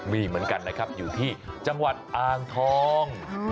มีเหมือนกันนะครับอยู่ที่จังหวัดอ่างทอง